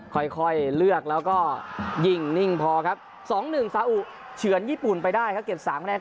ค่อยเลือกแล้วก็ยิงนิ่งพอครับ๒๑ซาอุเฉือนญี่ปุ่นไปได้ครับเก็บ๓คะแนน